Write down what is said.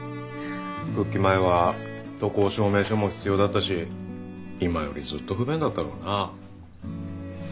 復帰前は渡航証明書も必要だったし今よりずっと不便だったろうな。